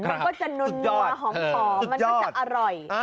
มันก็จะนัวหอมมันก็จะอร่อย